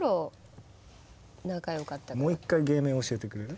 もう一回芸名教えてくれる？